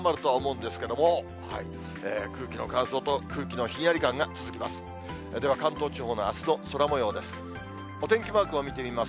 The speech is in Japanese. では、関東地方のあすの空もようです。